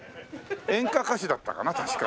演歌歌手だったかな確か。